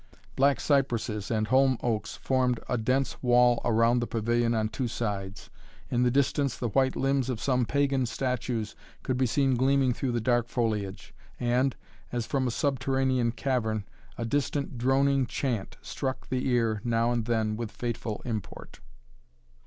Black cypresses and holm oaks formed a dense wall around the pavilion on two sides. In the distance the white limbs of some pagan statues could be seen gleaming through the dark foliage. And, as from a subterranean cavern, a distant droning chant struck the ear now and then with fateful import.